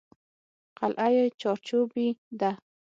قلعه یې چارچوبي ده.